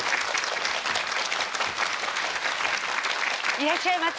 いらっしゃいませ。